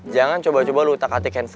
jangan coba coba lu tak hati hati sama hp lu